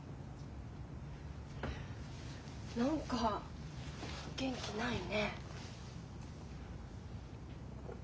何か元気ないね。